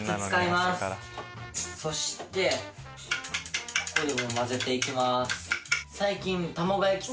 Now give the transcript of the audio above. そして混ぜていきます。